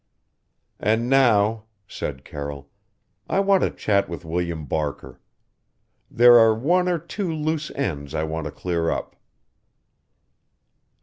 "And now " said Carroll, "I want to chat with William Barker. There are one or two loose ends I want to clear up."